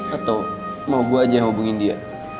atau mau gue aja yang hubungin dia